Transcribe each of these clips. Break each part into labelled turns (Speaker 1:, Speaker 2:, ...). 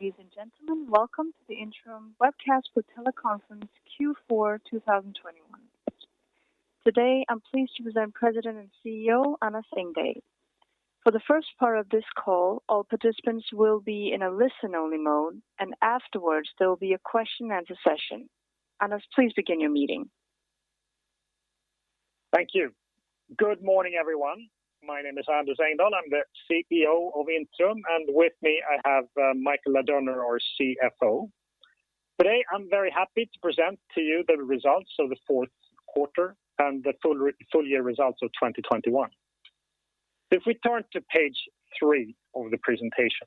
Speaker 1: Ladies and gentlemen, welcome to the Intrum webcast with teleconference Q4 2021. Today, I'm pleased to present President and CEO Anders Engdahl. For the first part of this call, all participants will be in a listen-only mode, and afterwards, there will be a question and answer session. Anders, please begin your meeting.
Speaker 2: Thank you. Good morning, everyone. My name is Anders Engdahl. I'm the CEO of Intrum, and with me, I have Michael Ladurner, our CFO. Today, I'm very happy to present to you the results of the fourth quarter and the full year results of 2021. If we turn to page three of the presentation.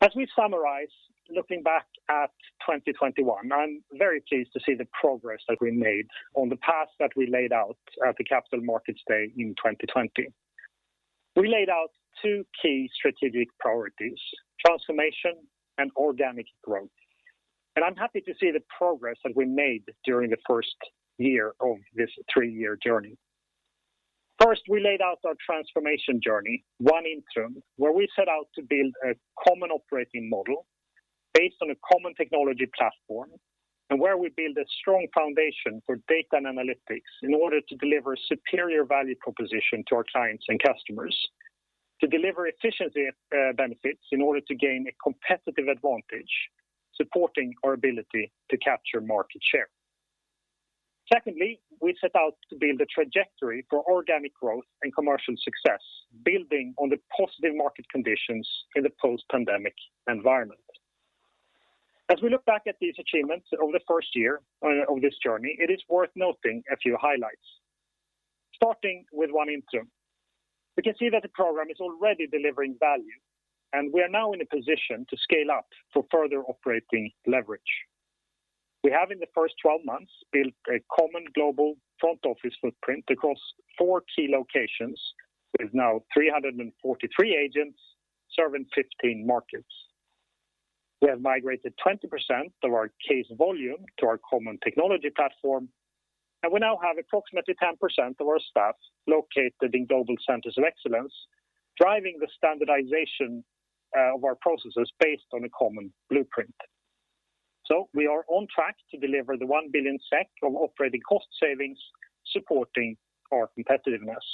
Speaker 2: As we summarize, looking back at 2021, I'm very pleased to see the progress that we made on the path that we laid out at the Capital Markets Day in 2020. We laid out two key strategic priorities, transformation and organic growth. I'm happy to see the progress that we made during the first year of this three-year journey. First, we laid out our transformation journey, ONE Intrum, where we set out to build a common operating model based on a common technology platform, and where we build a strong foundation for data and analytics in order to deliver superior value proposition to our clients and customers to deliver efficiency benefits in order to gain a competitive advantage, supporting our ability to capture market share. Secondly, we set out to build a trajectory for organic growth and commercial success, building on the positive market conditions in the post-pandemic environment. As we look back at these achievements over the first year on this journey, it is worth noting a few highlights. Starting with ONE Intrum, we can see that the program is already delivering value, and we are now in a position to scale up for further operating leverage. We have in the first 12 months built a common global front office footprint across four key locations with now 343 agents serving 15 markets. We have migrated 20% of our case volume to our common technology platform, and we now have approximately 10% of our staff located in global centers of excellence, driving the standardization of our processes based on a common blueprint. We are on track to deliver 1 billion SEK of operating cost savings supporting our competitiveness.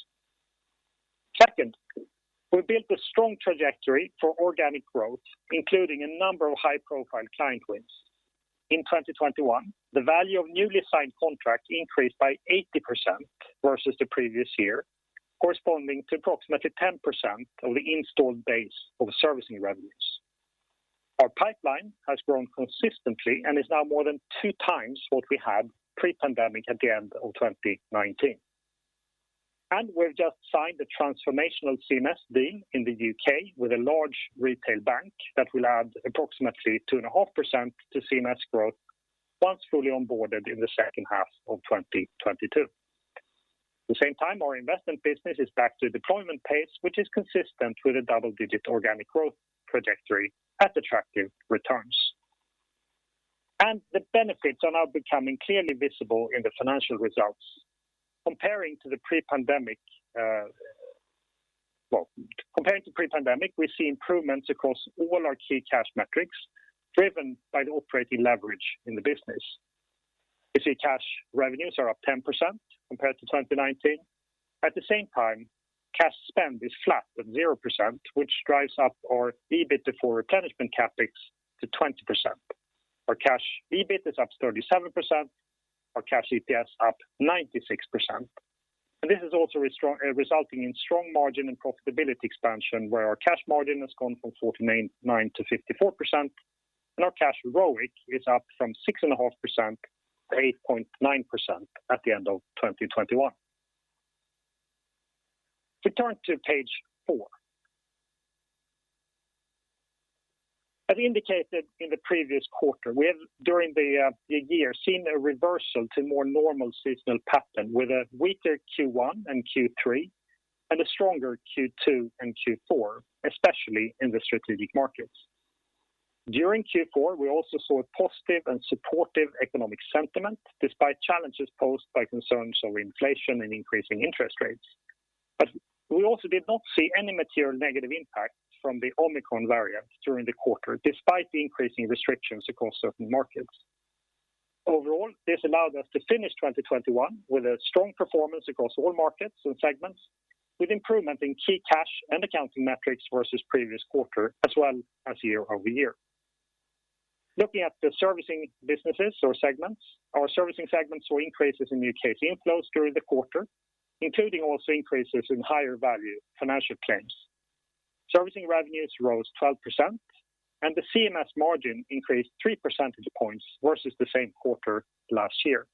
Speaker 2: Second, we built a strong trajectory for organic growth, including a number of high-profile client wins. In 2021, the value of newly signed contract increased by 80% versus the previous year, corresponding to approximately 10% of the installed base of servicing revenues. Our pipeline has grown consistently and is now more than 2x what we had pre-pandemic at the end of 2019. We've just signed a transformational CMS deal in the U.K. with a large retail bank that will add approximately 2.5% to CMS growth once fully onboarded in the second half of 2022. At the same time, our investment business is back to deployment pace, which is consistent with a double-digit organic growth trajectory at attractive returns. The benefits are now becoming clearly visible in the financial results. Comparing to pre-pandemic, we see improvements across all our key cash metrics driven by the operating leverage in the business. You see cash revenues are up 10% compared to 2019. At the same time, cash spend is flat at 0%, which drives up our EBIT before replenishment CapEx to 20%. Our cash EBIT is up 37%, our cash EPS up 96%. This is also resulting in strong margin and profitability expansion, where our cash margin has gone from 49% to 54%, and our cash ROIC is up from 6.5% to 8.9% at the end of 2021. If we turn to page four. As indicated in the previous quarter, we have, during the year, seen a reversal to more normal seasonal pattern with a weaker Q1 and Q3 and a stronger Q2 and Q4, especially in the strategic markets. During Q4, we also saw a positive and supportive economic sentiment despite challenges posed by concerns over inflation and increasing interest rates. We also did not see any material negative impact from the Omicron variant during the quarter, despite the increasing restrictions across certain markets. Overall, this allowed us to finish 2021 with a strong performance across all markets and segments with improvement in key cash and accounting metrics versus previous quarter as well as year-over-year. Looking at the servicing businesses or segments, our servicing segments saw increases in new case inflows during the quarter, including also increases in higher value financial claims. Servicing revenues rose 12% and the CMS margin increased 3 percentage points versus the same quarter last year.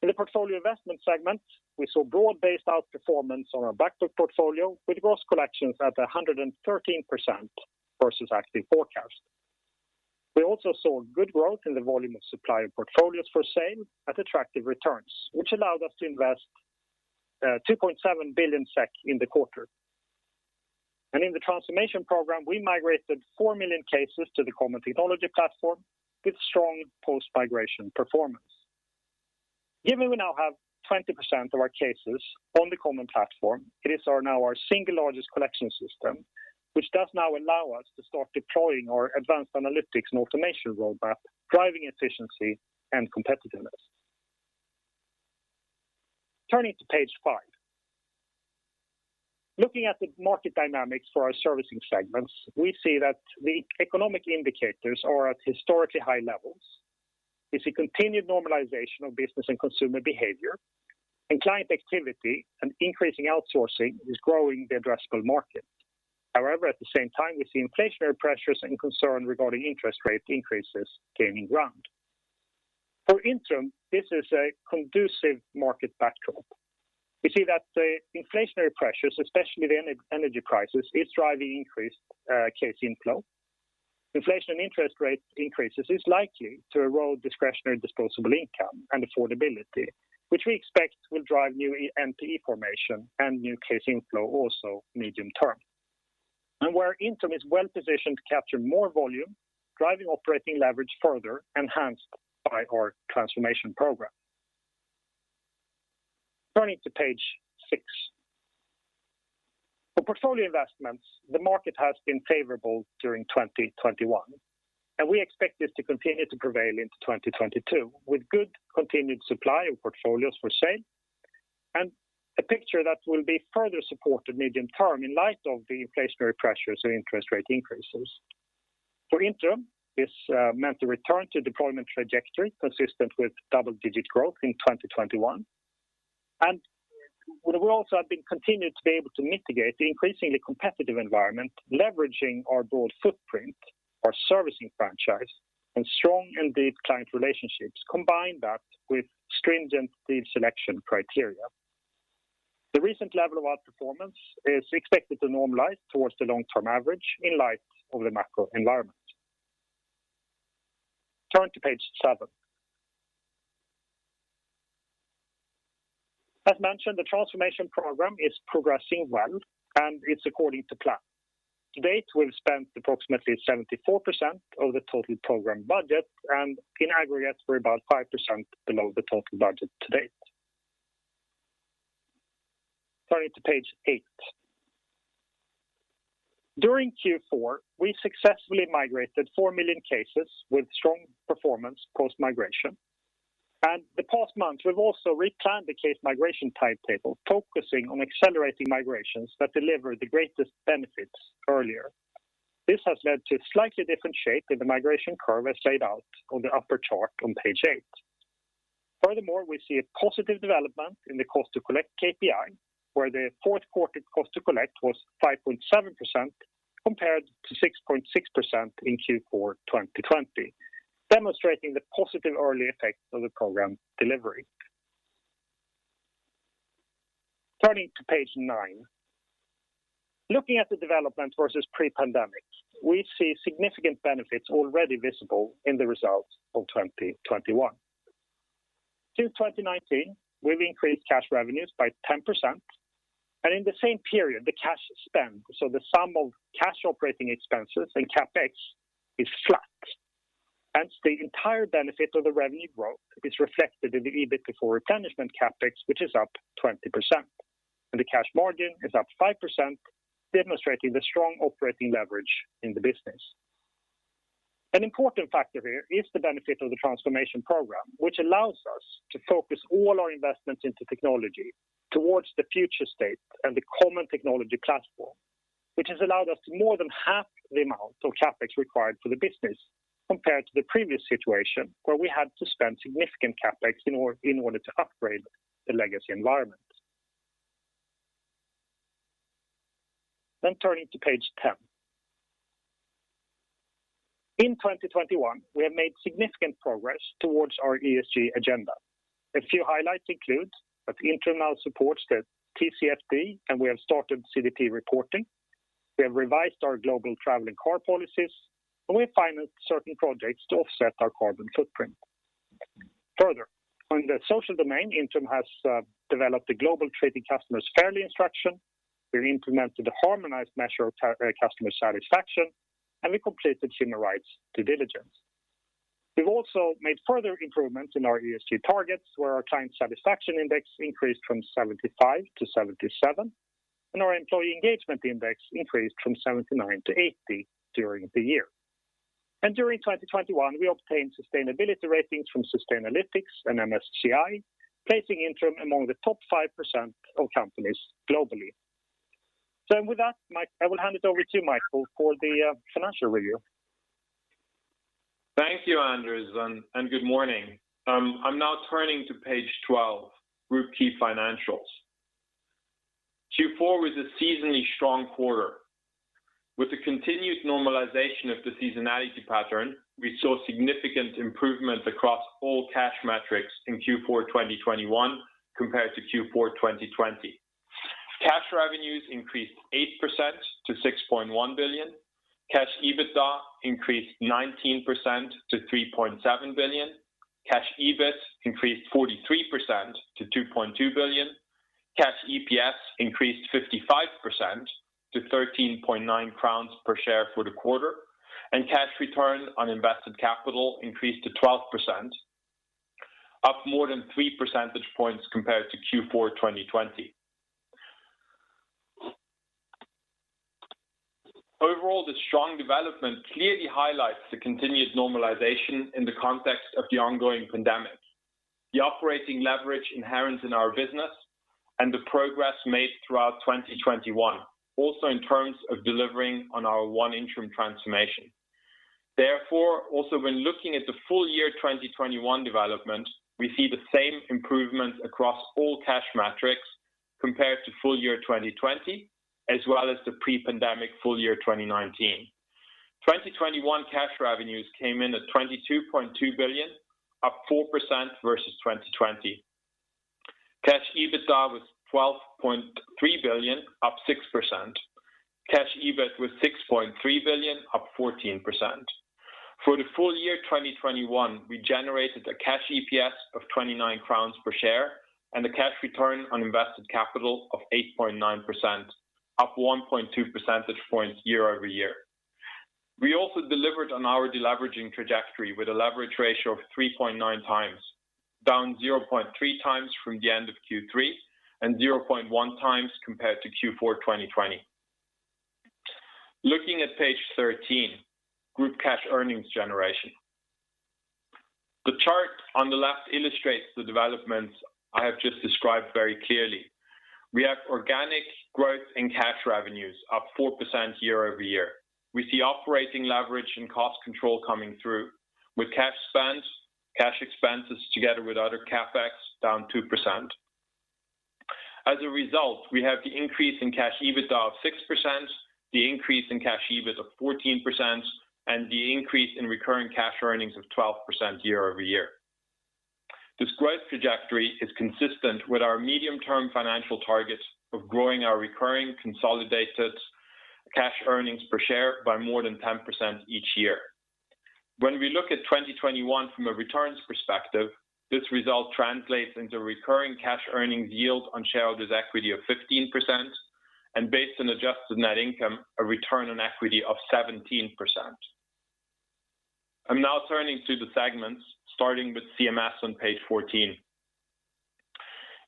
Speaker 2: In the portfolio investment segment, we saw broad-based outperformance on our backlog portfolio with gross collections at 113% versus active forecast. We also saw good growth in the volume of supplier portfolios for sale at attractive returns, which allowed us to invest 2.7 billion SEK in the quarter. In the transformation program, we migrated 4 million cases to the common technology platform with strong post-migration performance. Given we now have 20% of our cases on the common platform, it is our single largest collection system, which does now allow us to start deploying our advanced analytics and automation roadmap, driving efficiency and competitiveness. Turning to page five. Looking at the market dynamics for our servicing segments, we see that the economic indicators are at historically high levels. We see continued normalization of business and consumer behavior and client activity and increasing outsourcing is growing the addressable market. However, at the same time, we see inflationary pressures and concern regarding interest rate increases gaining ground. For Intrum, this is a conducive market backdrop. We see that the inflationary pressures, especially the energy crisis, is driving increased case inflow. Inflation and interest rate increases is likely to erode discretionary disposable income and affordability, which we expect will drive new NPE formation and new case inflow also medium term. Intrum is well-positioned to capture more volume, driving operating leverage further enhanced by our transformation program. Turning to page six. For portfolio investments, the market has been favorable during 2021, and we expect this to continue to prevail into 2022, with good continued supply of portfolios for sale and a picture that will be further supported medium term in light of the inflationary pressures and interest rate increases. For Intrum, this meant a return to deployment trajectory consistent with double-digit growth in 2021. We have also continued to be able to mitigate the increasingly competitive environment, leveraging our broad footprint, our servicing franchise, and strong and deep client relationships, combine that with stringent deal selection criteria. The recent level of outperformance is expected to normalize towards the long-term average in light of the macro environment. Turning to page seven. As mentioned, the transformation program is progressing well, and it's according to plan. To date, we've spent approximately 74% of the total program budget, and in aggregate, we're about 5% below the total budget to date. Turning to page eight. During Q4, we successfully migrated 4 million cases with strong performance post-migration. In the past month, we've also replanned the case migration timetable, focusing on accelerating migrations that deliver the greatest benefits earlier. This has led to a slightly different shape in the migration curve as laid out on the upper chart on page eight. Furthermore, we see a positive development in the cost to collect KPI, where the fourth quarter cost to collect was 5.7% compared to 6.6% in Q4 2020, demonstrating the positive early effects of the program delivery. Turning to page nine. Looking at the development versus pre-pandemic, we see significant benefits already visible in the results of 2021. Since 2019, we've increased cash revenues by 10%. In the same period, the cash spend, so the sum of cash operating expenses and CapEx is flat. Hence, the entire benefit of the revenue growth is reflected in the EBIT before replenishment CapEx, which is up 20%. The cash margin is up 5%, demonstrating the strong operating leverage in the business. An important factor here is the benefit of the transformation program, which allows us to focus all our investments into technology towards the future state and the common technology platform, which has allowed us to more than half the amount of CapEx required for the business compared to the previous situation where we had to spend significant CapEx in order to upgrade the legacy environment. Turning to page 10. In 2021, we have made significant progress towards our ESG agenda. A few highlights include that Intrum now supports the TCFD, and we have started CDP reporting. We have revised our global travel policies, and we financed certain projects to offset our carbon footprint. Further, on the social domain, Intrum has developed a global Treating Customers Fairly instruction. We've implemented a harmonized measure of customer satisfaction, and we completed human rights due diligence. We've also made further improvements in our ESG targets, where our client satisfaction index increased from 75 to 77, and our employee engagement index increased from 79 to 80 during the year. During 2021, we obtained sustainability ratings from Sustainalytics and MSCI, placing Intrum among the top 5% of companies globally. With that, I will hand it over to Michael for the financial review.
Speaker 3: Thank you, Anders, and good morning. I'm now turning to page 12, group key financials. Q4 was a seasonally strong quarter. With the continued normalization of the seasonality pattern, we saw significant improvement across all cash metrics in Q4 2021 compared to Q4 2020. Cash revenues increased 8% to 6.1 billion. Cash EBITDA increased 19% to 3.7 billion. Cash EBIT increased 43% to 2.2 billion. Cash EPS increased 55% to 13.9 crowns per share for the quarter, and cash return on invested capital increased to 12%, up more than 3 percentage points compared to Q4 2020. Overall, the strong development clearly highlights the continued normalization in the context of the ongoing pandemic. The operating leverage inherent in our business and the progress made throughout 2021, also in terms of delivering on our ONE Intrum transformation. Therefore, also when looking at the full year 2021 development, we see the same improvements across all cash metrics compared to full year 2020, as well as the pre-pandemic full year 2019. 2021 cash revenues came in at 22.2 billion, up 4% versus 2020. Cash EBITDA was 12.3 billion, up 6%. Cash EBIT was 6.3 billion, up 14%. For the full year 2021, we generated a cash EPS of 29 crowns per share and a cash return on invested capital of 8.9%, up 1.2 percentage points year-over-year. We also delivered on our deleveraging trajectory with a leverage ratio of 3.9x, down 0.3x from the end of Q3 and 0.1x compared to Q4 2020. Looking at page 13, group cash earnings generation. The chart on the left illustrates the developments I have just described very clearly. We have organic growth in cash revenues up 4% year-over-year. We see operating leverage and cost control coming through with cash spends, cash expenses together with other CapEx down 2%. As a result, we have the increase in cash EBITDA of 6%, the increase in cash EBIT of 14%, and the increase in recurring cash earnings of 12% year-over-year. This growth trajectory is consistent with our medium-term financial targets of growing our recurring consolidated cash earnings per share by more than 10% each year. When we look at 2021 from a returns perspective, this result translates into recurring cash earnings yield on shareholders' equity of 15% and based on adjusted net income, a return on equity of 17%. I'm now turning to the segments, starting with CMS on page 14.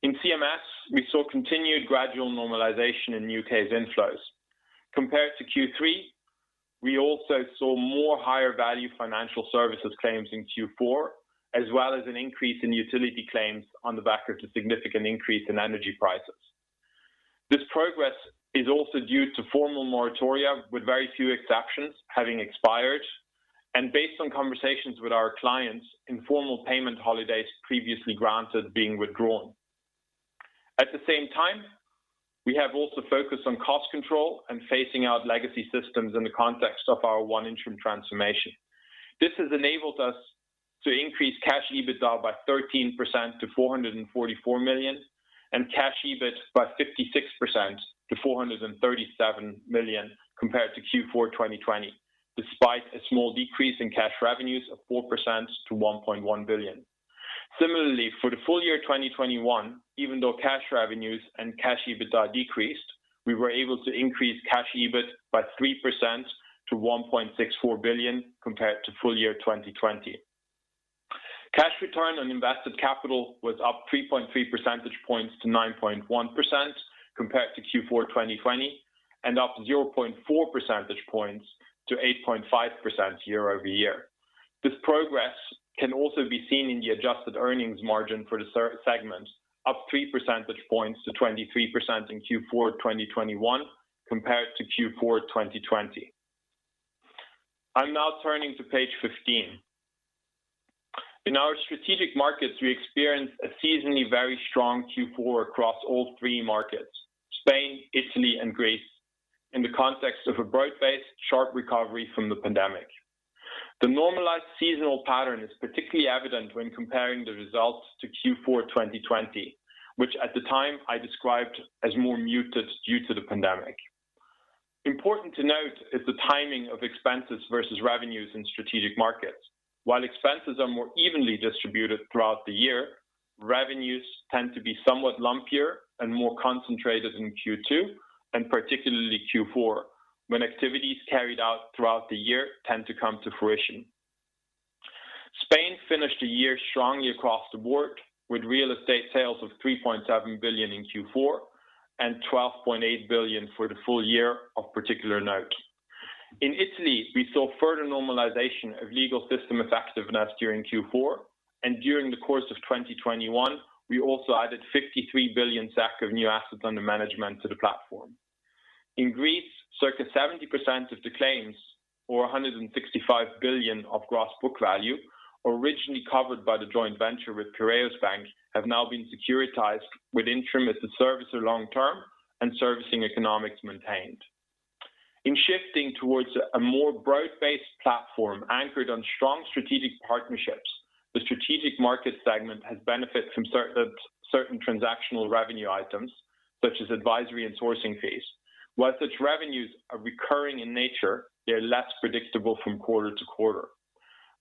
Speaker 3: In CMS, we saw continued gradual normalization in U.K.'s inflows. Compared to Q3, we also saw more higher value financial services claims in Q4, as well as an increase in utility claims on the back of the significant increase in energy prices. This progress is also due to formal moratoria, with very few exceptions having expired, and based on conversations with our clients, informal payment holidays previously granted being withdrawn. At the same time, we have also focused on cost control and phasing out legacy systems in the context of our ONE Intrum transformation. This has enabled us to increase cash EBITDA by 13% to 444 million and cash EBIT by 56% to 437 million compared to Q4 2020, despite a small decrease in cash revenues of 4% to 1.1 billion. Similarly, for the full year 2021, even though cash revenues and cash EBITDA decreased, we were able to increase cash EBIT by 3% to 1.64 billion compared to full year 2020. Cash return on invested capital was up 3.3 percentage points to 9.1% compared to Q4 2020, and up 0.4 percentage points to 8.5% year-over-year. This progress can also be seen in the adjusted earnings margin for the segment, up 3 percentage points to 23% in Q4 2021 compared to Q4 2020. I'm now turning to page 15. In our strategic markets, we experienced a seasonally very strong Q4 across all three markets, Spain, Italy, and Greece, in the context of a broad-based sharp recovery from the pandemic. The normalized seasonal pattern is particularly evident when comparing the results to Q4 2020, which at the time I described as more muted due to the pandemic. Important to note is the timing of expenses versus revenues in strategic markets. While expenses are more evenly distributed throughout the year, revenues tend to be somewhat lumpier and more concentrated in Q2 and particularly Q4, when activities carried out throughout the year tend to come to fruition. Spain finished the year strongly across the board with real estate sales of 3.7 billion in Q4 and 12.8 billion for the full year of particular note. In Italy, we saw further normalization of legal system effectiveness during Q4. During the course of 2021, we also added 53 billion GBV of new assets under management to the platform. In Greece, circa 70% of the claims, or 165 billion of gross book value, originally covered by the joint venture with Piraeus Bank, have now been securitized with Intrum as the servicer long term and servicing economics maintained. In shifting towards a more broad-based platform anchored on strong strategic partnerships, the strategic market segment has benefited from certain transactional revenue items such as advisory and sourcing fees. While such revenues are recurring in nature, they're less predictable from quarter to quarter.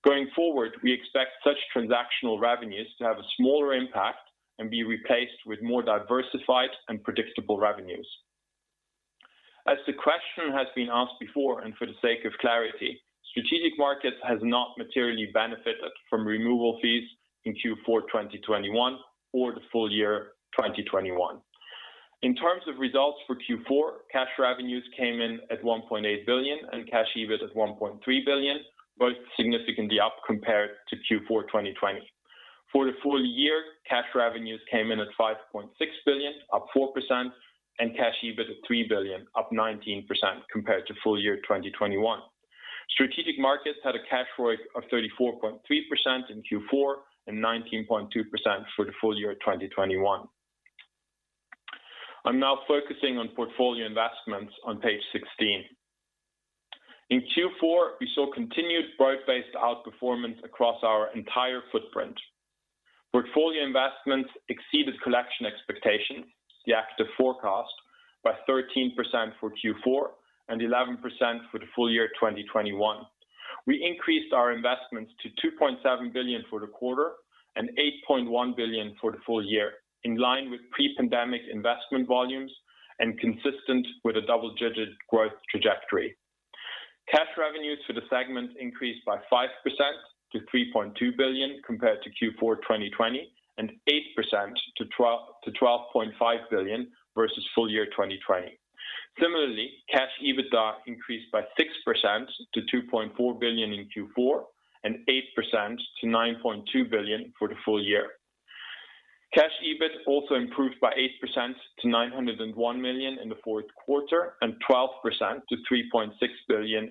Speaker 3: Going forward, we expect such transactional revenues to have a smaller impact and be replaced with more diversified and predictable revenues. As the question has been asked before, and for the sake of clarity, Strategic Markets has not materially benefited from removal fees in Q4 2021 or the full year 2021. In terms of results for Q4, cash revenues came in at 1.8 billion and cash EBIT at 1.3 billion, both significantly up compared to Q4 2020. For the full year, cash revenues came in at 5.6 billion, up 4% and cash EBIT at 3 billion up 19% compared to full year 2020. Strategic Markets had a cash ROIC of 34.3% in Q4 and 19.2% for the full year 2021. I'm now focusing on portfolio investments on page 16. In Q4, we saw continued broad-based outperformance across our entire footprint. Portfolio investments exceeded collection expectations, the active forecast by 13% for Q4 and 11% for the full year 2021. We increased our investments to 2.7 billion for the quarter and 8.1 billion for the full year, in line with pre-pandemic investment volumes and consistent with a double-digit growth trajectory. Cash revenues for the segment increased by 5% to 3.2 billion compared to Q4 2020 and 8% to 12.5 billion versus full year 2020. Similarly, cash EBITDA increased by 6% to 2.4 billion in Q4 and 8% to 9.2 billion for the full year. Cash EBIT also improved by 8% to 901 million in the fourth quarter and 12% to 3.6 billion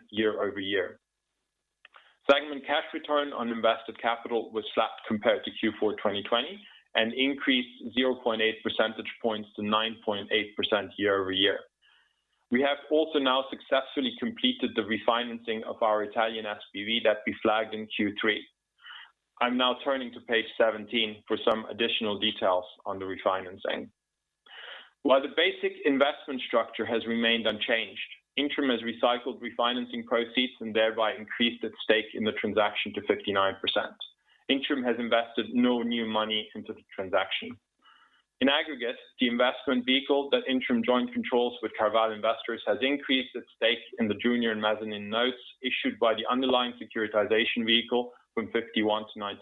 Speaker 3: year-over-year. Segment cash return on invested capital was flat compared to Q4 2020 and increased 0.8 percentage points to 9.8% year-over-year. We have also now successfully completed the refinancing of our Italian SPV that we flagged in Q3. I'm now turning to page 17 for some additional details on the refinancing. While the basic investment structure has remained unchanged, Intrum has recycled refinancing proceeds and thereby increased its stake in the transaction to 59%. Intrum has invested no new money into the transaction. In aggregate, the investment vehicle that Intrum jointly controls with CarVal Investors has increased its stake in the junior and mezzanine notes issued by the underlying securitization vehicle from 51% to 95%.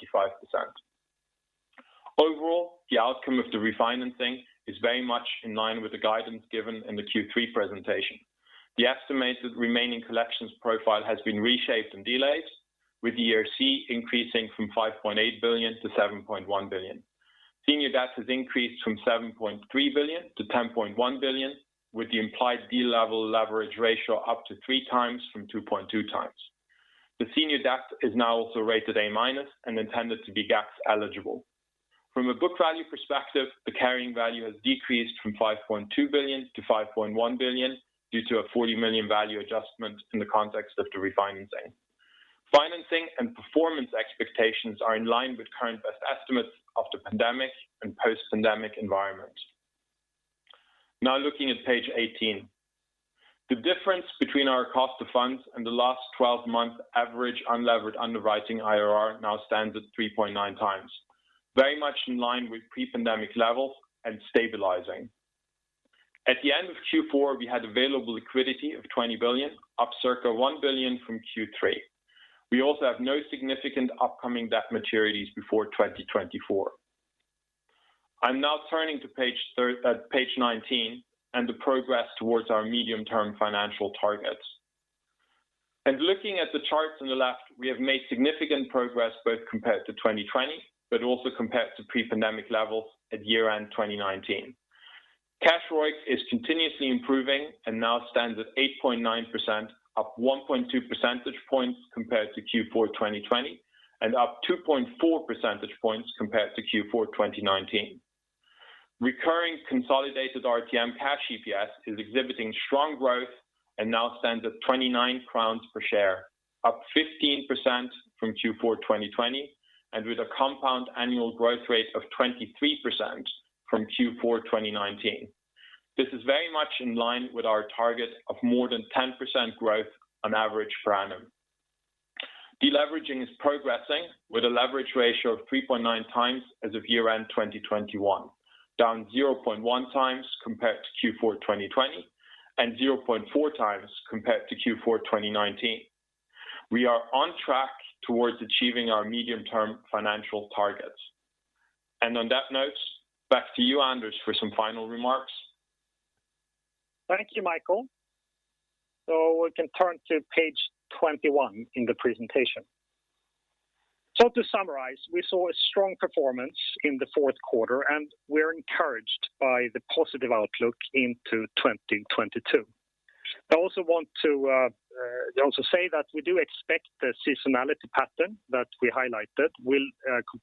Speaker 3: Overall, the outcome of the refinancing is very much in line with the guidance given in the Q3 presentation. The estimated remaining collections profile has been reshaped and delayed with ERC increasing from 5.8 billion to 7.1 billion. Senior debt has increased from 7.3 billion to 10.1 billion, with the implied deal level leverage ratio up to 3x from 2.2x. The senior debt is now also rated A- and intended to be GACS eligible. From a book value perspective, the carrying value has decreased from 5.2 billion to 5.1 billion due to a 40 million value adjustment in the context of the refinancing. Financing and performance expectations are in line with current best estimates of the pandemic and post-pandemic environment. Now looking at page 18. The difference between our cost of funds and the last twelve-month average unlevered underwriting IRR now stands at 3.9x. Very much in line with pre-pandemic levels and stabilizing. At the end of Q4, we had available liquidity of 20 billion up circa 1 billion from Q3. We also have no significant upcoming debt maturities before 2024. I'm now turning to page 19 and the progress towards our medium-term financial targets. Looking at the charts on the left, we have made significant progress both compared to 2020 but also compared to pre-pandemic levels at year-end 2019. Cash ROIC is continuously improving and now stands at 8.9% up 1.2 percentage points compared to Q4 2020 and up 2.4 percentage points compared to Q4 2019. Recurring consolidated LTM cash EPS is exhibiting strong growth and now stands at 29 crowns per share, up 15% from Q4 2020 and with a compound annual growth rate of 23% from Q4 2019. This is very much in line with our target of more than 10% growth on average per annum. Deleveraging is progressing with a leverage ratio of 3.9x as of year-end 2021, down 0.1x compared to Q4 2020 and 0.4x compared to Q4 2019. We are on track towards achieving our medium-term financial targets. On that note, back to you, Anders, for some final remarks.
Speaker 2: Thank you, Michael. We can turn to page 21 in the presentation. To summarize, we saw a strong performance in the fourth quarter, and we're encouraged by the positive outlook into 2022. I also want to say that we do expect the seasonality pattern that we highlighted will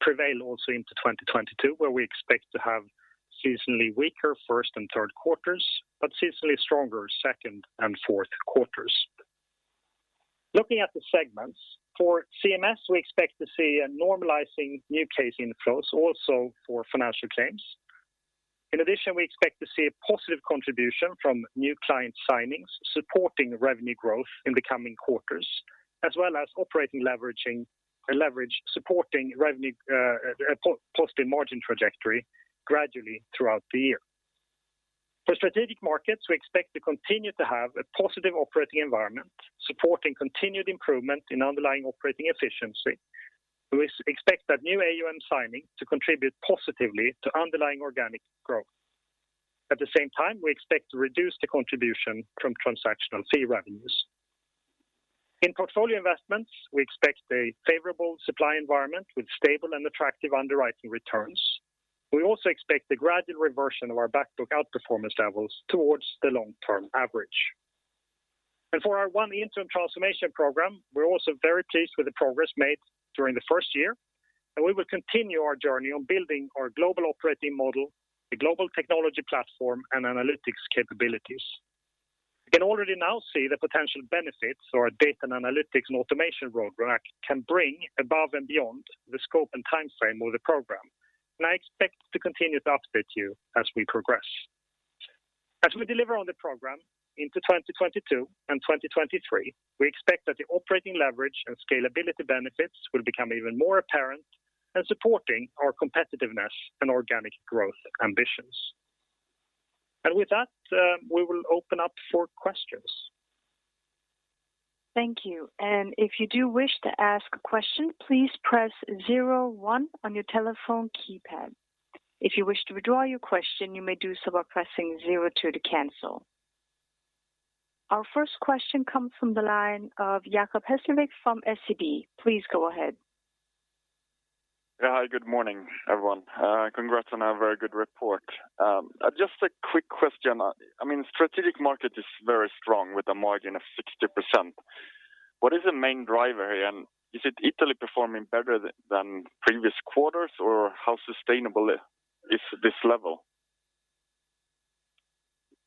Speaker 2: prevail also into 2022, where we expect to have seasonally weaker first and third quarters, but seasonally stronger second and fourth quarters. Looking at the segments. For CMS, we expect to see a normalizing new case inflows also for financial claims. In addition, we expect to see a positive contribution from new client signings supporting revenue growth in the coming quarters, as well as operating leverage supporting revenue, a positive margin trajectory gradually throughout the year. For strategic markets, we expect to continue to have a positive operating environment supporting continued improvement in underlying operating efficiency. We expect that new AUM signing to contribute positively to underlying organic growth. At the same time, we expect to reduce the contribution from transactional fee revenues. In portfolio investments, we expect a favorable supply environment with stable and attractive underwriting returns. We also expect the gradual reversion of our back book outperformance levels towards the long-term average. For our ONE Intrum transformation program, we're also very pleased with the progress made during the first year, and we will continue our journey on building our global operating model, the global technology platform, and analytics capabilities. We can already now see the potential benefits our data and analytics and automation roadmap can bring above and beyond the scope and timeframe of the program, and I expect to continue to update you as we progress. As we deliver on the program into 2022 and 2023, we expect that the operating leverage and scalability benefits will become even more apparent and supporting our competitiveness and organic growth ambitions. With that, we will open up for questions.
Speaker 1: Our first question comes from the line of Jacob Hesslevik from SEB. Please go ahead.
Speaker 4: Yeah. Hi, good morning, everyone. Congrats on a very good report. Just a quick question. I mean, strategic market is very strong with a margin of 60%. What is the main driver here? Is it Italy performing better than previous quarters, or how sustainable is this level?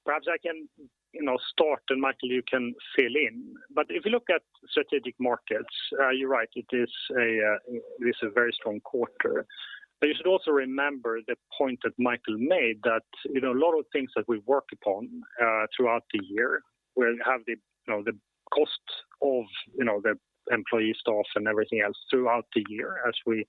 Speaker 2: Perhaps I can, you know, start, and Michael, you can fill in. If you look at strategic markets, you're right, it is a very strong quarter. You should also remember the point that Michael made that, you know, a lot of things that we've worked upon throughout the year will have the, you know, the cost of, you know, the employee staff and everything else throughout the year as we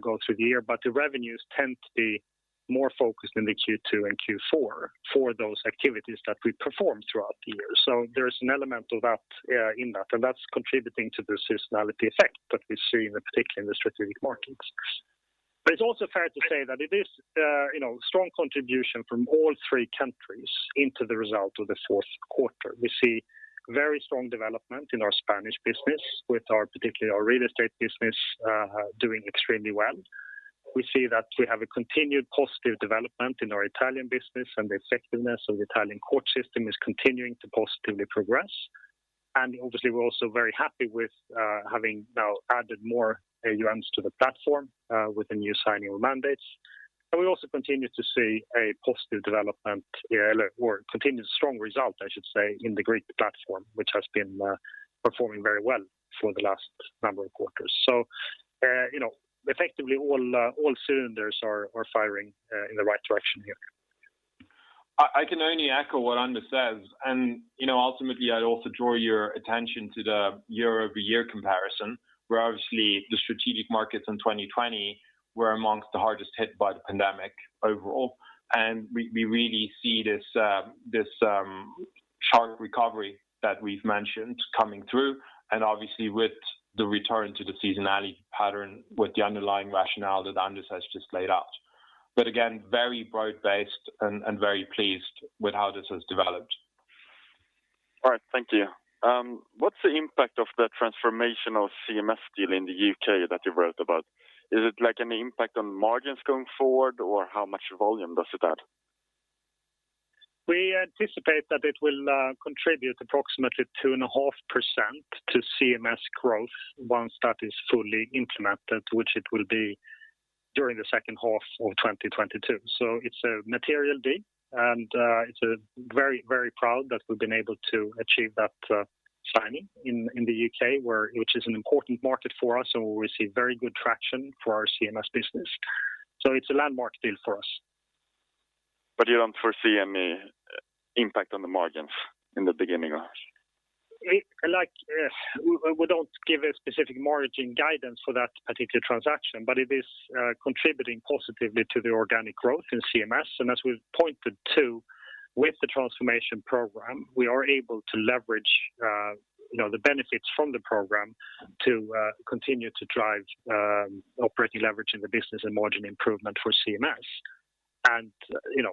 Speaker 2: go through the year. The revenues tend to be more focused in the Q2 and Q4 for those activities that we perform throughout the year. There is an element of that in that, and that's contributing to the seasonality effect that we see particularly in the strategic markets. It's also fair to say that it is, you know, strong contribution from all three countries into the result of the fourth quarter. We see very strong development in our Spanish business with our, particularly our real estate business, doing extremely well. We see that we have a continued positive development in our Italian business, and the effectiveness of the Italian court system is continuing to positively progress. Obviously, we're also very happy with having now added more AUMs to the platform with the new signing of mandates. We also continue to see a positive development, or continued strong result, I should say, in the Greek platform, which has been performing very well for the last number of quarters. You know, effectively, all cylinders are firing in the right direction here.
Speaker 3: I can only echo what Anders says. You know, ultimately, I'd also draw your attention to the year-over-year comparison, where obviously the strategic markets in 2020 were among the hardest hit by the pandemic overall. We really see this sharp recovery that we've mentioned coming through, and obviously with the return to the seasonality pattern with the underlying rationale that Anders has just laid out. Again, very broad-based and very pleased with how this has developed.
Speaker 4: All right. Thank you. What's the impact of the transformational CMS deal in the U.K. that you wrote about? Is it like any impact on margins going forward, or how much volume does it add?
Speaker 2: We anticipate that it will contribute approximately 2.5% to CMS growth once that is fully implemented, which it will be during the second half of 2022. It's a material deal, and we're very, very proud that we've been able to achieve that signing in the U.K., which is an important market for us, and we receive very good traction for our CMS business. It's a landmark deal for us.
Speaker 4: You don't foresee any impact on the margins in the beginning years?
Speaker 2: Like, we don't give a specific margin guidance for that particular transaction, but it is contributing positively to the organic growth in CMS. As we've pointed to with the transformation program, we are able to leverage you know, the benefits from the program to continue to drive operating leverage in the business and margin improvement for CMS. You know,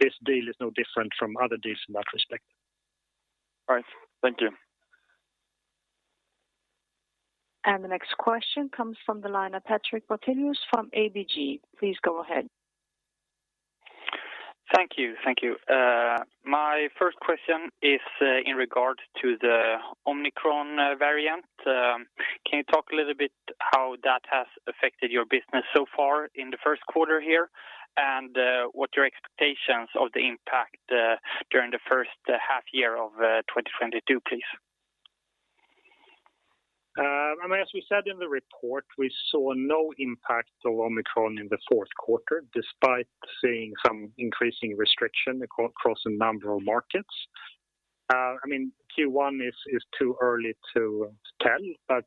Speaker 2: this deal is no different from other deals in that respect.
Speaker 4: All right. Thank you.
Speaker 1: The next question comes from the line of Patrik Brattelius from ABG. Please go ahead.
Speaker 5: Thank you. My first question is in regard to the Omicron variant. Can you talk a little bit how that has affected your business so far in the first quarter here, and what's your expectations of the impact during the first half year of 2022, please?
Speaker 2: As we said in the report, we saw no impact of Omicron in the fourth quarter despite seeing some increasing restrictions across a number of markets. I mean, Q1 is too early to tell, but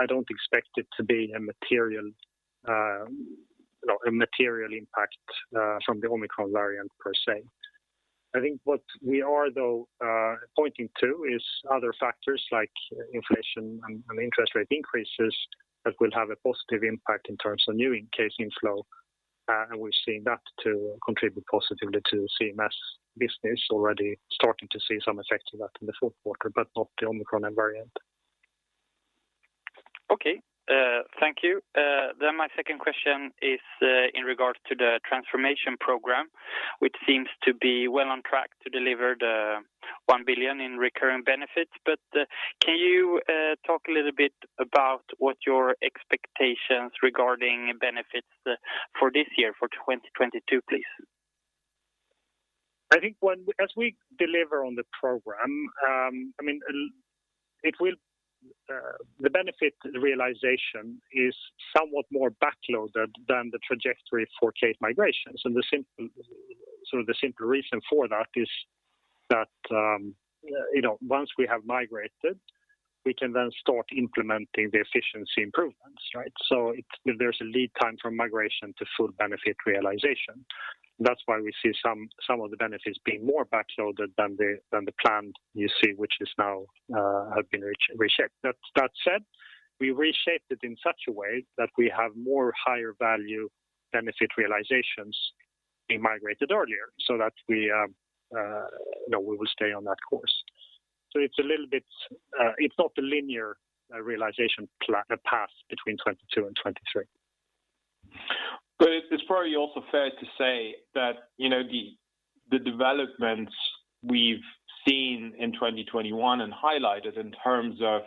Speaker 2: I don't expect it to be a material, you know, a material impact from the Omicron variant per se. I think what we are though pointing to is other factors like inflation and interest rate increases that will have a positive impact in terms of new incoming case inflow. We're seeing that to contribute positively to CMS business already starting to see some effect of that in the fourth quarter, but not the Omicron variant.
Speaker 5: My second question is in regards to the transformation program which seems to be well on track to deliver the 1 billion in recurring benefits. Can you talk a little bit about what your expectations regarding benefits for this year, for 2022 please?
Speaker 2: I think as we deliver on the program, I mean, the benefit realization is somewhat more backloaded than the trajectory for case migrations. The simple reason for that is that, you know, once we have migrated we can then start implementing the efficiency improvements, right? There's a lead time from migration to full benefit realization. That's why we see some of the benefits being more backloaded than the plan, you see, which has now been reshaped. That said, we reshaped it in such a way that we have higher value benefit realizations being migrated earlier so that we, you know, we will stay on that course. It's a little bit. It's not a linear realization path between 2022 and 2023.
Speaker 3: It's probably also fair to say that, you know, the developments we've seen in 2021 and highlighted in terms of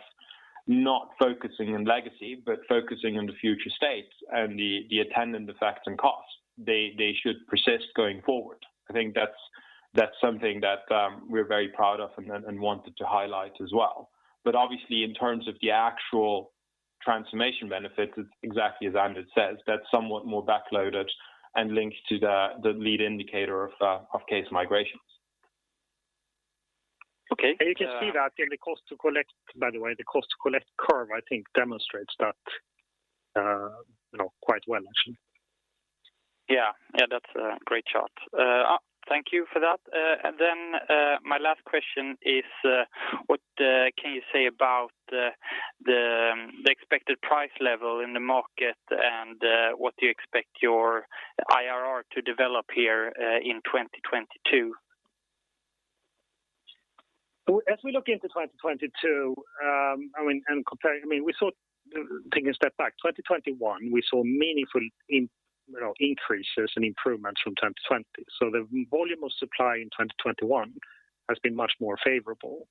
Speaker 3: not focusing on legacy but focusing on the future states and the attendant effects and costs they should persist going forward. I think that's something that we're very proud of and wanted to highlight as well. Obviously in terms of the actual transformation benefits it's exactly as Anders says, that's somewhat more backloaded and linked to the lead indicator of case migrations.
Speaker 5: Okay.
Speaker 2: You can see that in the cost to collect, by the way, the cost to collect curve I think demonstrates that, you know, quite well actually.
Speaker 5: Yeah. Yeah, that's a great chart. Thank you for that. And then my last question is, what can you say about the expected price level in the market and what do you expect your IRR to develop here in 2022?
Speaker 2: As we look into 2022, comparing, taking a step back, 2021 we saw meaningful increases and improvements from 2020. The volume of supply in 2021 has been much more favorable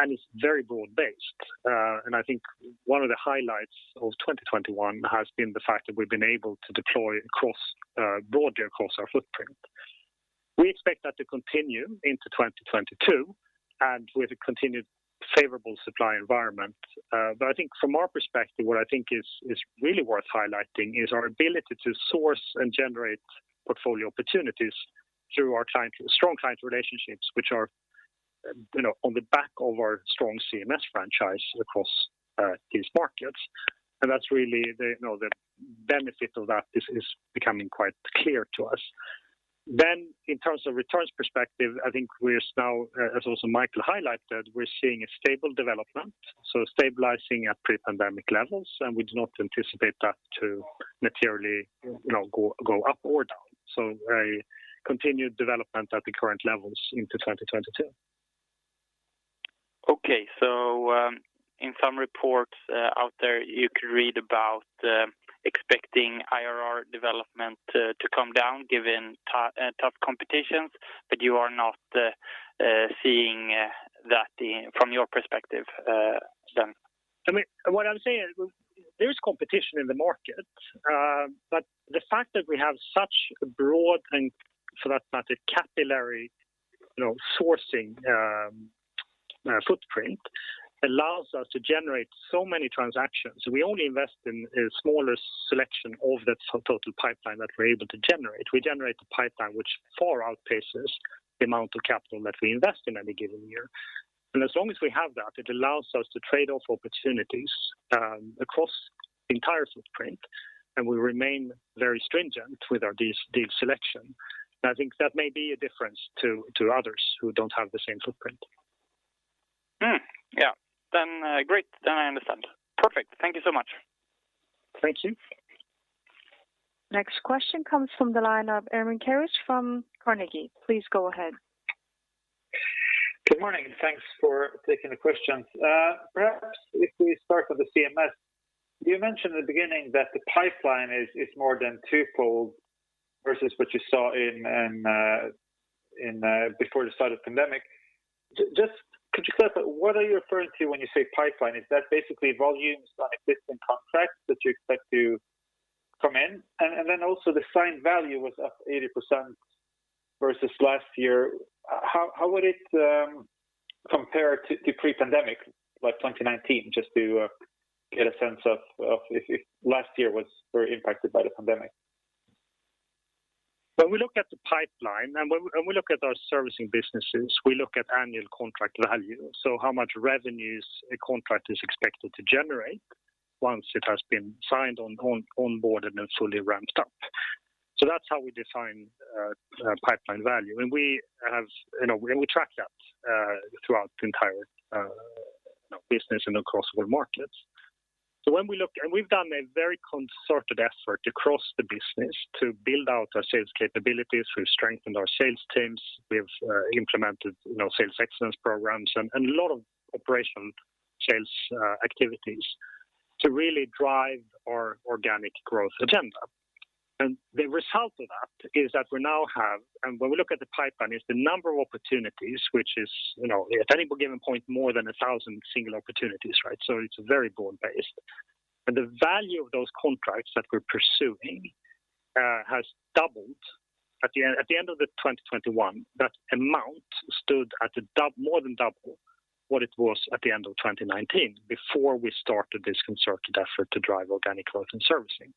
Speaker 2: and it's very broad-based. I think one of the highlights of 2021 has been the fact that we've been able to deploy more broadly across our footprint. We expect that to continue into 2022 and with a continued favorable supply environment. From our perspective what I think is really worth highlighting is our ability to source and generate portfolio opportunities through strong client relationships which are, you know, on the back of our strong CMS franchise across these markets. That's really the, you know, the benefit of that is becoming quite clear to us. In terms of returns perspective, I think we're now, as also Michael highlighted, we're seeing a stable development, so stabilizing at pre-pandemic levels and we do not anticipate that to materially, you know, go up or down. A continued development at the current levels into 2022.
Speaker 5: In some reports out there you could read about expecting IRR development to come down given tough competition but you are not seeing that from your perspective then?
Speaker 2: I mean, what I'm saying is there's competition in the market. The fact that we have such broad and for that matter capillary, you know, sourcing footprint allows us to generate so many transactions. We only invest in a smaller selection of that total pipeline that we're able to generate. We generate a pipeline which far outpaces the amount of capital that we invest in any given year. As long as we have that it allows us to trade off opportunities across entire footprint and we remain very stringent with our deal selection. I think that may be a difference to others who don't have the same footprint.
Speaker 5: Yeah. Great. I understand. Perfect. Thank you so much.
Speaker 2: Thank you.
Speaker 1: Next question comes from the line of Ermin Keric from Carnegie. Please go ahead.
Speaker 6: Good morning and thanks for taking the questions. Perhaps if we start with the CMS. You mentioned at the beginning that the pipeline is more than twofold versus what you saw in before the start of pandemic. Just could you clarify what are you referring to when you say pipeline? Is that basically volumes on existing contracts that you expect to commence? Then also the signed value was up 80% versus last year. How would it compare to pre-pandemic, like 2019 just to get a sense of if last year was very impacted by the pandemic?
Speaker 2: When we look at the pipeline and we look at our servicing businesses, we look at Annual Contract Value. How much revenues a contract is expected to generate once it has been signed on, onboarded and fully ramped up. That's how we define pipeline value. You know, we track that throughout the entire you know business and across all markets. When we look, we've done a very concerted effort across the business to build out our sales capabilities. We've strengthened our sales teams. We've implemented you know sales excellence programs and a lot of operational sales activities to really drive our organic growth agenda. The result of that is that we now have... When we look at the pipeline, is the number of opportunities, which is, you know, at any given point, more than 1,000 single opportunities, right? It's very broad based. The value of those contracts that we're pursuing has doubled at the end of 2021. That amount stood at more than double what it was at the end of 2019 before we started this concerted effort to drive organic growth and servicing.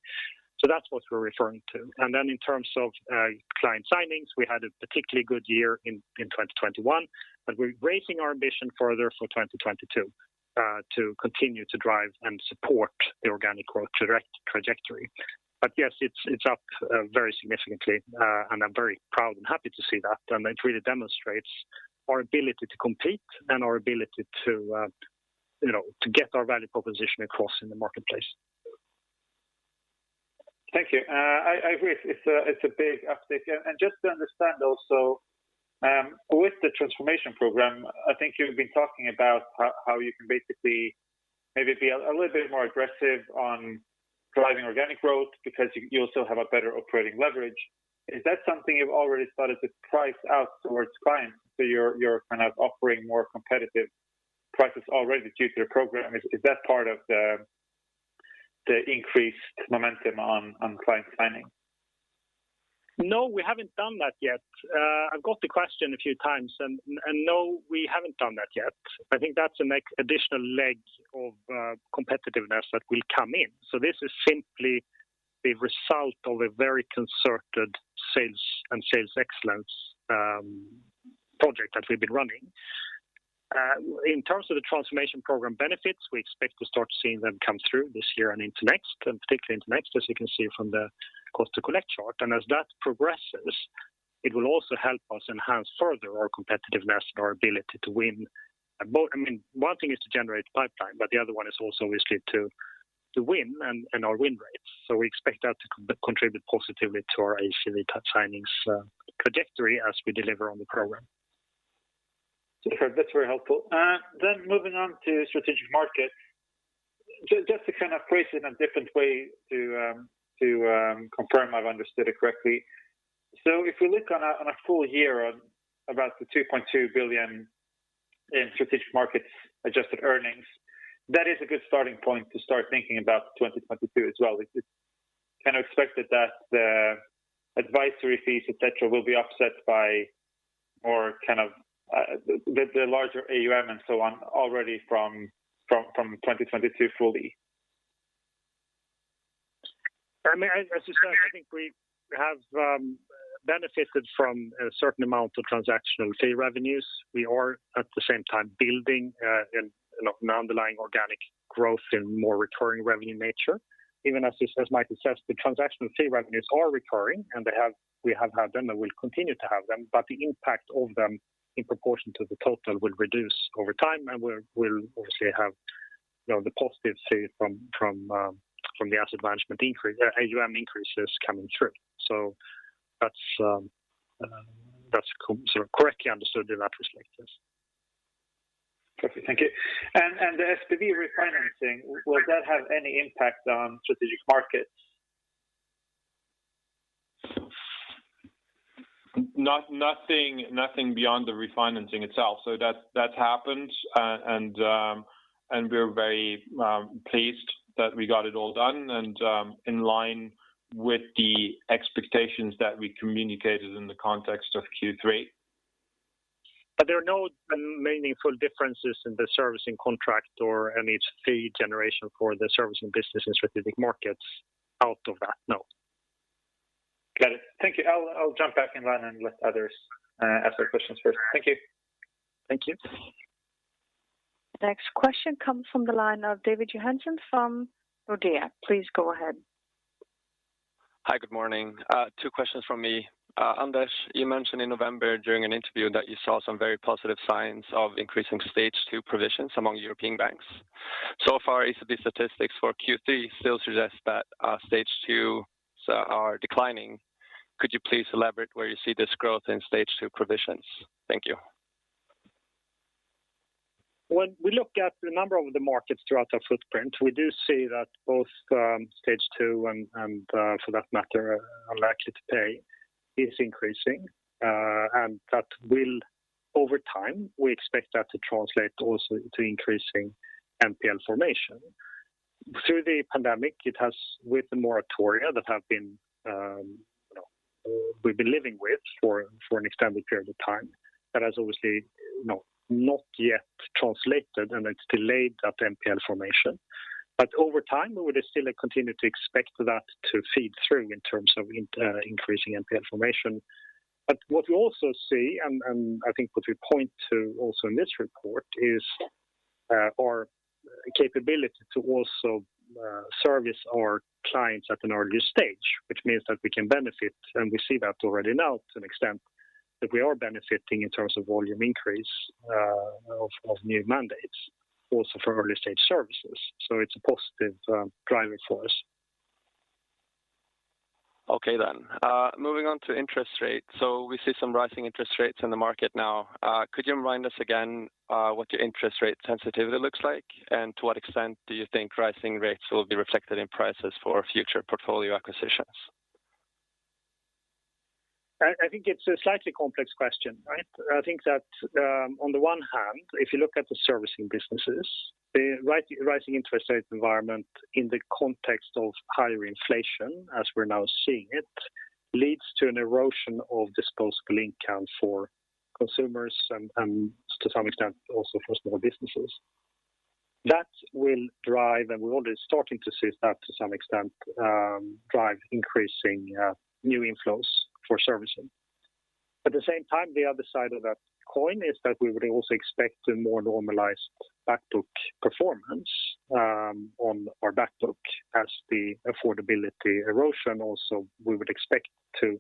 Speaker 2: That's what we're referring to. Then in terms of client signings, we had a particularly good year in 2021, but we're raising our ambition further for 2022 to continue to drive and support the organic growth direct trajectory. Yes, it's up very significantly. I'm very proud and happy to see that. It really demonstrates our ability to compete and our ability to, you know, to get our value proposition across in the marketplace.
Speaker 6: Thank you. I agree it's a big uptick. Just to understand also, with the transformation program, I think you've been talking about how you can basically maybe be a little bit more aggressive on driving organic growth because you also have a better operating leverage. Is that something you've already started to price out towards clients, so you're kind of offering more competitive prices already due to the program? Is that part of the increased momentum on client signing?
Speaker 2: No, we haven't done that yet. I've got the question a few times and no, we haven't done that yet. I think that's an additional leg of competitiveness that will come in. This is simply the result of a very concerted sales and sales excellence project that we've been running. In terms of the transformation program benefits, we expect to start seeing them come through this year and into next, particularly into next, as you can see from the cost to collect chart. As that progresses, it will also help us enhance further our competitiveness and our ability to win. I mean, one thing is to generate pipeline, but the other one is also obviously to win and our win rates. We expect that to contribute positively to our ACV touch signings trajectory as we deliver on the program.
Speaker 6: Okay. That's very helpful. Moving on to strategic markets. Just to kind of phrase it in a different way to confirm I've understood it correctly. If we look on a full year on about 2.2 billion in strategic markets adjusted earnings, that is a good starting point to start thinking about 2022 as well. It's kind of expected that the advisory fees, et cetera, will be offset by more kind of the larger AUM and so on already from 2022 fully.
Speaker 2: I mean, as you said, I think we have benefited from a certain amount of transactional fee revenues. We are at the same time building an underlying organic growth in more recurring revenue nature. Even as you said, as Michael says, the transactional fee revenues are recurring, and they have. We have had them and we'll continue to have them, but the impact of them in proportion to the total will reduce over time. We'll obviously have, you know, the positive fee from the asset management increase, AUM increases coming through. That's sort of correctly understood in that respect, yes.
Speaker 6: Perfect. Thank you. The SPV refinancing, will that have any impact on strategic markets?
Speaker 2: Nothing beyond the refinancing itself. That, that's happened. We're very pleased that we got it all done and in line with the expectations that we communicated in the context of Q3. There are no meaningful differences in the servicing contract or any fee generation for the servicing business in strategic markets out of that. No.
Speaker 6: Got it. Thank you. I'll jump back in line and let others ask their questions first. Thank you.
Speaker 2: Thank you.
Speaker 1: Next question comes from the line of David Johansson from Nordea. Please go ahead.
Speaker 7: Hi. Good morning. Two questions from me. Anders, you mentioned in November during an interview that you saw some very positive signs of increasing stage two provisions among European banks. So far, SEB statistics for Q3 still suggest that stage twos are declining. Could you please elaborate where you see this growth in stage two provisions? Thank you.
Speaker 2: When we look at the number of the markets throughout our footprint, we do see that both stage two and for that matter unlikely to pay is increasing. Over time, we expect that to translate also to increasing NPL formation. Through the pandemic, it has, with the moratoria that have been, you know, we've been living with for an extended period of time. That has obviously, you know, not yet translated, and it's delayed that NPL formation. Over time, we would still continue to expect that to feed through in terms of increasing NPL formation. What we also see and I think what we point to also in this report is our capability to also service our clients at an earlier stage, which means that we can benefit, and we see that already now to an extent that we are benefiting in terms of volume increase of new mandates also for early-stage services. It's a positive driving force.
Speaker 7: Okay then. Moving on to interest rates. We see some rising interest rates in the market now. Could you remind us again, what your interest rate sensitivity looks like? To what extent do you think rising rates will be reflected in prices for future portfolio acquisitions?
Speaker 2: I think it's a slightly complex question, right? I think that on the one hand, if you look at the servicing businesses, the rising interest rate environment in the context of higher inflation, as we're now seeing it, leads to an erosion of disposable income for consumers and to some extent also for small businesses. That will drive, and we're already starting to see that to some extent, increasing new inflows for servicing. At the same time, the other side of that coin is that we would also expect a more normalized back book performance on our back book as the affordability erosion also, we would expect to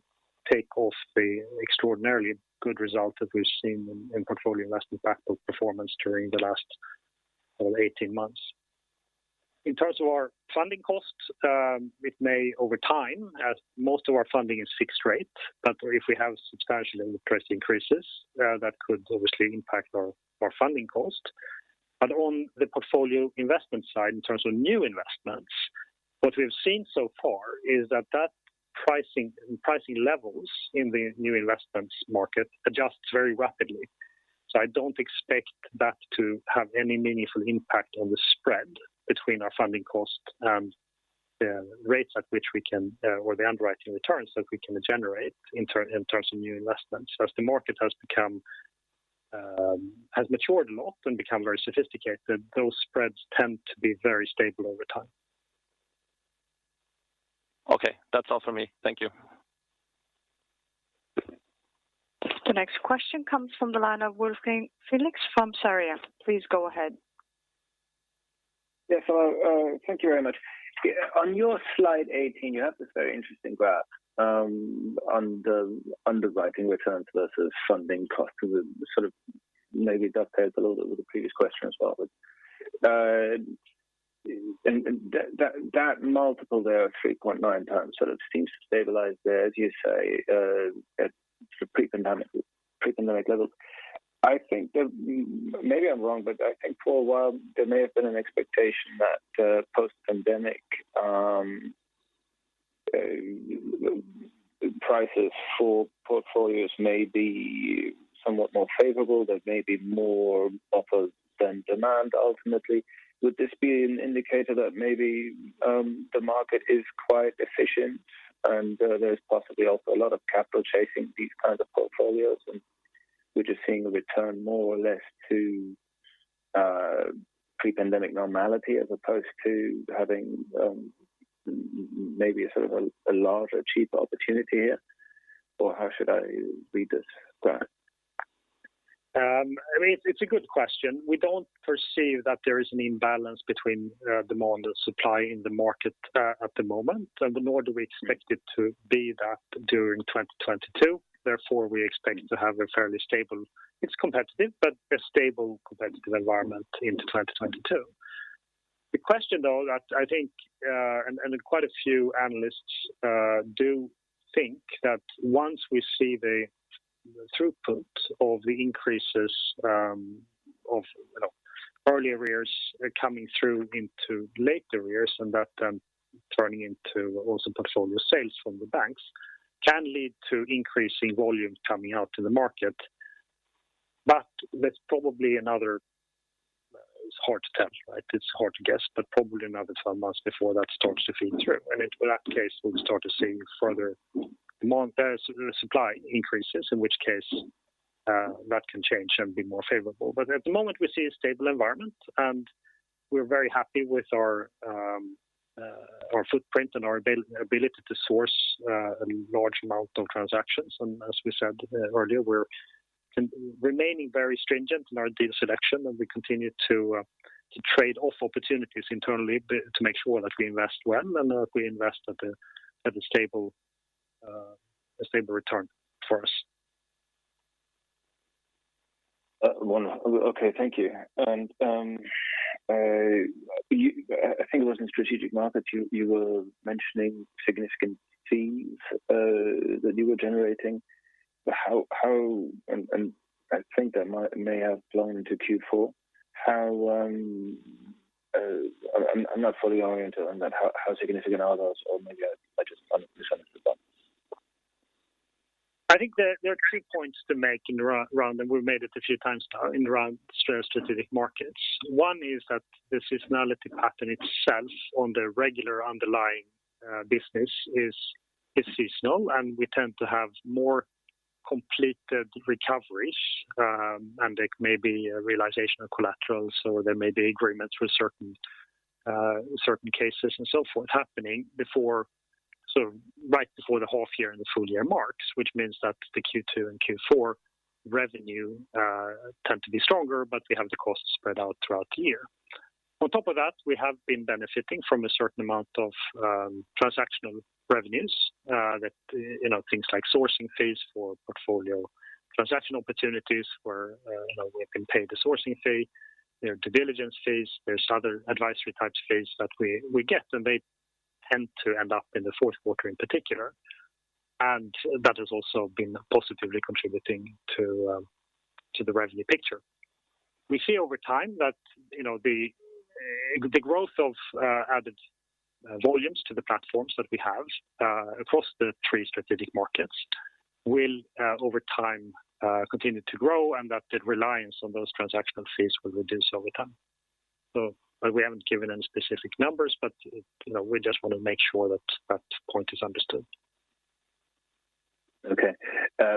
Speaker 2: take off the extraordinarily good result that we've seen in portfolio investment back book performance during the last, well, 18 months. In terms of our funding costs, it may over time as most of our funding is fixed rate. If we have substantial interest increases, that could obviously impact our funding cost. On the portfolio investment side, in terms of new investments, what we've seen so far is that pricing levels in the new investments market adjusts very rapidly. I don't expect that to have any meaningful impact on the spread between our funding cost and the rates at which we can or the underwriting returns that we can generate in terms of new investments. As the market has become has matured and often become very sophisticated, those spreads tend to be very stable over time.
Speaker 7: Okay. That's all for me. Thank you.
Speaker 1: The next question comes from the line of Wolfgang Felix from Sarria. Please go ahead.
Speaker 8: Yes. Thank you very much. On your slide 18, you have this very interesting graph on the underwriting returns versus funding costs. Sort of maybe dovetails a little bit with the previous question as well. And that multiple there of 3.9x sort of seems to stabilize there, as you say, at the pre-pandemic levels. I think that. Maybe I'm wrong, but I think for a while there may have been an expectation that post-pandemic prices for portfolios may be somewhat more favorable, there may be more offers than demand ultimately. Would this be an indicator that maybe the market is quite efficient and there's possibly also a lot of capital chasing these kinds of portfolios, and we're just seeing a return more or less to pre-pandemic normality as opposed to having maybe a sort of a larger cheap opportunity here? Or how should I read this graph?
Speaker 2: I mean, it's a good question. We don't perceive that there is an imbalance between demand and supply in the market at the moment, and nor do we expect it to be that during 2022. Therefore, we expect to have a fairly stable. It's competitive, but a stable competitive environment into 2022. The question though that I think and quite a few analysts do think that once we see the throughput of the increases of you know, early arrears coming through into late arrears and that turning into also portfolio sales from the banks can lead to increasing volumes coming out in the market. But that's probably another. It's hard to tell, right? It's hard to guess, but probably another some months before that starts to feed through. In that case, we'll start to see further demand, supply increases, in which case, that can change and be more favorable. But at the moment, we see a stable environment, and we're very happy with our footprint and our ability to source a large amount of transactions. As we said earlier, we're remaining very stringent in our deal selection, and we continue to trade off opportunities internally to make sure that we invest well and that we invest at a stable return for us.
Speaker 8: Wonderful. Okay, thank you. I think it was in strategic markets. You were mentioning significant fees that you were generating. I think that may have blown into Q4. I'm not fully oriented on that. How significant are those? Or maybe I just misunderstood.
Speaker 2: I think there are three points to make in and around, and we've made it a few times now in and around strategic markets. One is that the seasonality pattern itself on the regular underlying business is seasonal, and we tend to have more completed recoveries, and there may be a realization of collaterals, or there may be agreements with certain cases and so forth happening before. Right before the half year and the full year marks, which means that the Q2 and Q4 revenue tend to be stronger, but we have the costs spread out throughout the year. On top of that, we have been benefiting from a certain amount of transactional revenues, that you know, things like sourcing fees for portfolio transaction opportunities where you know, we have been paying the sourcing fee. There are due diligence fees. There's other advisory type fees that we get, and they tend to end up in the fourth quarter in particular. That has also been positively contributing to the revenue picture. We see over time that, you know, the growth of added volumes to the platforms that we have across the three strategic markets will over time continue to grow, and that the reliance on those transactional fees will reduce over time. We haven't given any specific numbers, but you know, we just want to make sure that point is understood.
Speaker 8: Okay.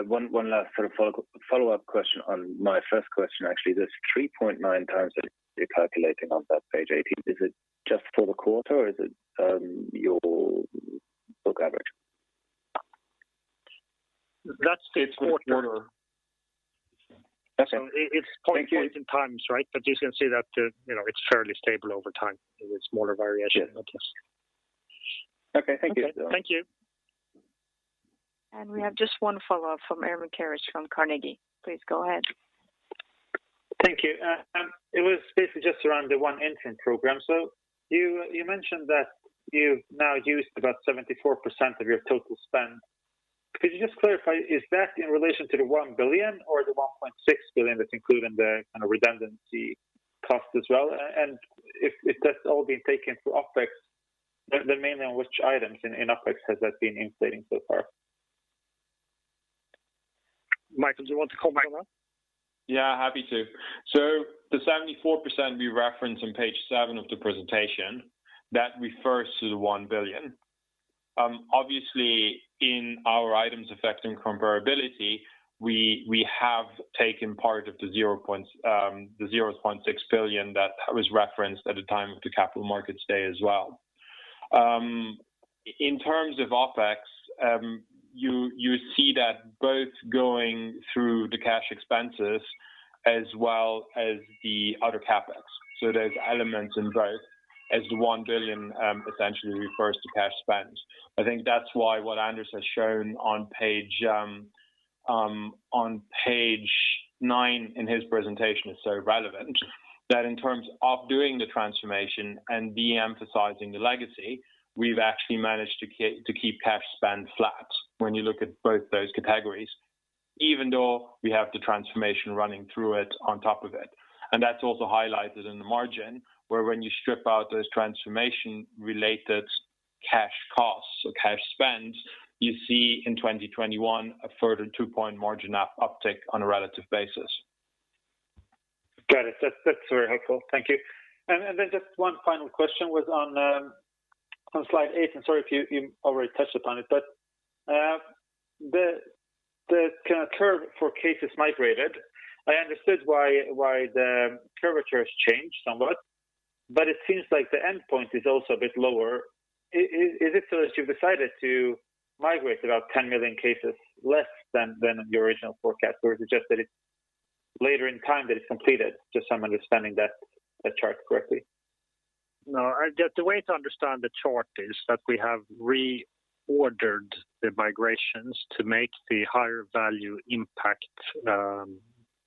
Speaker 8: One last sort of follow-up question on my first question, actually. This 3.9x that you're calculating on that page 18, is it just for the quarter, or is it your book average?
Speaker 2: That's the quarter.
Speaker 3: It's quarter.
Speaker 8: Okay.
Speaker 2: It's points in time, right? You can see that, you know, it's fairly stable over time. There is smaller variation.
Speaker 8: Yeah. Okay. Thank you.
Speaker 2: Thank you.
Speaker 1: We have just one follow-up from Ermin Keric from Carnegie. Please go ahead.
Speaker 6: Thank you. It was basically just around the ONE Intrum program. You mentioned that you've now used about 74% of your total spend. Could you just clarify, is that in relation to the 1 billion or the 1.6 billion that's included in the kind of redundancy cost as well? If that's all been taken through OpEx, then mainly on which items in OpEx has that been inflating so far?
Speaker 2: Michael, do you want to comment on that?
Speaker 3: Yeah, happy to. The 74% we reference on page seven of the presentation refers to the 1 billion. Obviously, in our items affecting comparability, we have taken part of the 0.6 billion that was referenced at the time of the Capital Markets Day as well. In terms of OpEx, you see that both going through the cash expenses as well as the other CapEx. There's elements in both as the 1 billion essentially refers to cash spend. I think that's why what Anders has shown on page nine in his presentation is so relevant that in terms of doing the transformation and de-emphasizing the legacy, we've actually managed to to keep cash spend flat when you look at both those categories, even though we have the transformation running through it on top of it. That's also highlighted in the margin, where when you strip out those transformation related cash costs or cash spends, you see in 2021 a further two-point margin uptick on a relative basis.
Speaker 6: Got it. That's very helpful. Thank you. And then just one final question was on slide 8, and sorry if you already touched upon it. The kind of curve for cases migrated, I understood why the curvature has changed somewhat, but it seems like the end point is also a bit lower. Is it so that you've decided to migrate about 10 million cases less than in the original forecast, or is it just that it's later in time that it's completed? Just so I'm understanding that chart correctly.
Speaker 2: No. The way to understand the chart is that we have reordered the migrations to make the higher value impact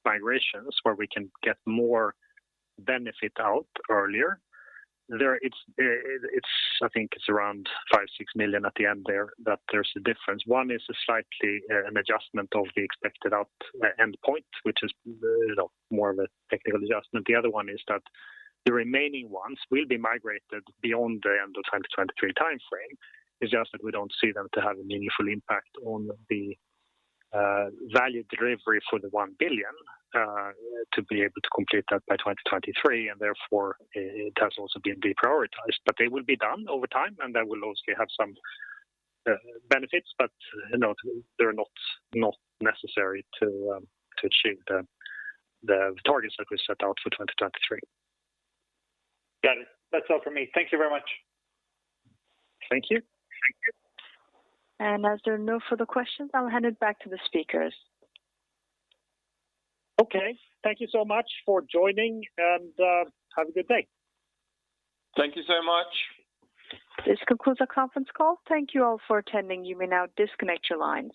Speaker 2: migrations where we can get more benefit out earlier. I think it's around 5 million-6 million at the end there that there's a difference. One is a slight adjustment of the expected out end point, which is more of a technical adjustment. The other one is that the remaining ones will be migrated beyond the end of 2023 timeframe. It's just that we don't see them to have a meaningful impact on the value delivery for the 1 billion to be able to complete that by 2023, and therefore it has also been deprioritized. They will be done over time, and they will also have some benefits. You know, they're not necessary to achieve the targets that we set out for 2023.
Speaker 6: Got it. That's all for me. Thank you very much.
Speaker 2: Thank you.
Speaker 1: As there are no further questions, I'll hand it back to the speakers.
Speaker 2: Okay. Thank you so much for joining, and have a good day.
Speaker 3: Thank you so much.
Speaker 1: This concludes our conference call. Thank you all for attending. You may now disconnect your lines.